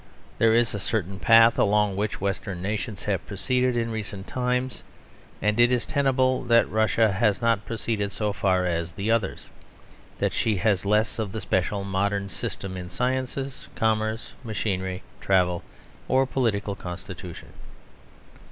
There is a certain path along which Western nations have proceeded in recent times; and it is tenable that Russia has not proceeded so far as the others: that she has less of the special modern system in science, commerce, machinery, travel or political constitution.